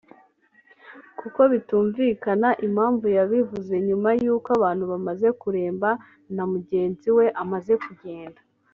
kuko bitumvikana impamvu yabivuze nyuma y’uko abantu bamaze kuremba na mugenzi we amaze kugenda